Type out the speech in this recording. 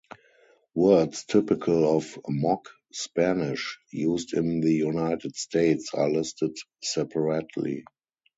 Words typical of "Mock Spanish" used in the United States are listed separately.